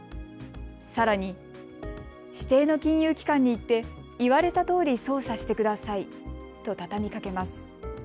さらに指定の金融機関に行って言われたとおり操作してくださいとたたみかけます。